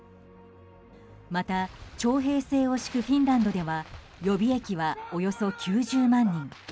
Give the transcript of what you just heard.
また徴兵制を敷くフィンランドでは予備役はおよそ９０万人。